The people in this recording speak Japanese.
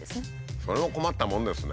それも困ったもんですね。